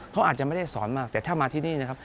เขาอาจจะไม่ได้สอนมากแต่ถ้ามาที่นี่นะครับ